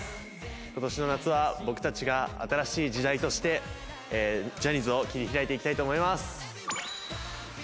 今年の夏は僕たちが新しい時代としてジャニーズを切り開いていきたいと思います。